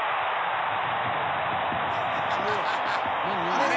あれ？